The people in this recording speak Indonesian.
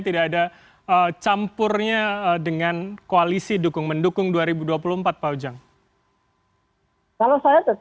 tidak ada campurnya dengan koalisi dukung mendukung dukung dengan grup menurut saya tidak ada lagi seperti itu